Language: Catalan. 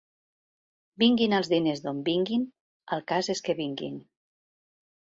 Vinguin els diners d'on vinguin, el cas és que vinguin.